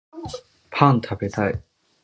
パン食べたい